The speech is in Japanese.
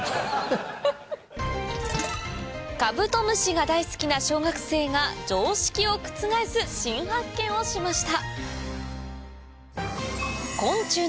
カブトムシが大好きな小学生が常識を覆す新発見をしました